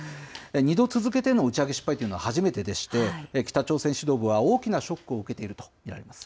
２度続けての打ち上げ失敗というのは、初めてでして、北朝鮮指導部は大きなショックを受けていると見られます。